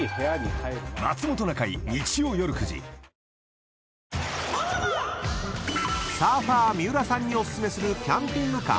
「ビオレ」［サーファー三浦さんにお薦めするキャンピングカー］